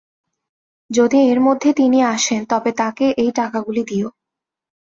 যদি এর মধ্যে তিনি আসেন তবে তাঁকে এই টাকাগুলি দিয়ো।